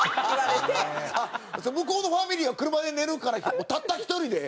あっ向こうのファミリーは車で寝るからたった一人で？